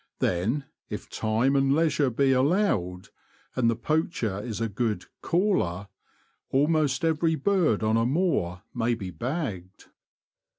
Then, if time and leisure be allowed, and the poacher is a good '^ caller," almost every bird on a moor may be bagged.